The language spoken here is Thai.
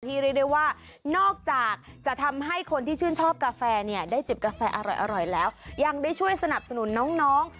เรียกได้ว่านอกจากจะทำให้คนที่ชื่นชอบกาแฟเนี่ยได้จิบกาแฟอร่อยแล้วยังได้ช่วยสนับสนุนน้อง